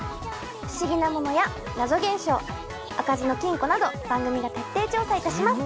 不思議なものや謎現象開かずの金庫など番組が徹底調査いたします。